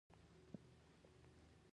دښمن د تېر تاریخ ژوندى بوج دی